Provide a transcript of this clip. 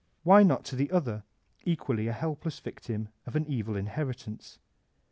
Why not to the other, equally a helpless victim of an evil inheritance ?